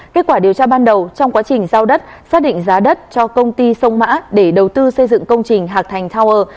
kết quả điều tra ban đầu trong quá trình giao đất xác định giá đất cho công ty sông mã để đầu tư xây dựng công trình hạc thành tower